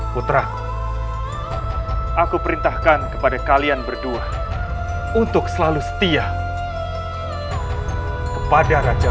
putraku aku perintahkan kepada kalian berdua untuk selalu setia kepada raja